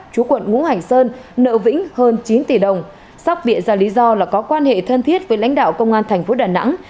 chú quận ngũ hành sơn nợ vĩnh hơn chín tỷ đồng sóc địa ra lý do là có quan hệ thân thiết với lãnh đạo công an thành phố đà nẵng